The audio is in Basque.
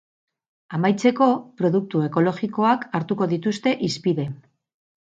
Amaitzeko, produktu ekologikoak hartuko dituzte hizpide.